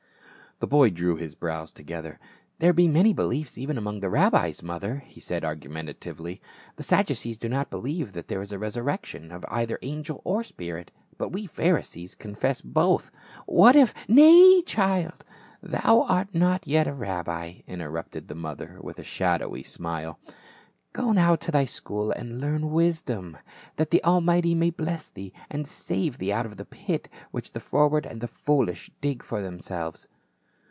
The boy drew his brows together, " There be many beliefs even among the rabbis, mother," he said argu mentatively, "the Sadducees do not believe that there is a resurrection, of either angel or spirit, but we Pharisees confess both. What if —"" Nay, child, thou art not yet a rabbi," interrupted the mother with a shadowy smile. " Go now to thy school and learn wisdom, that the Almighty may bless thee, and save thee out of the pit which the froward and the foolish dig for themselves."